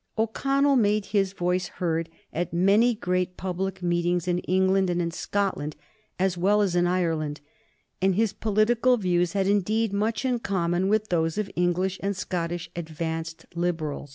O'Connell made his voice heard at many great public meetings in England and in Scotland, as well as in Ireland, and his political views had, indeed, much in common with those of English and Scottish advanced Liberals.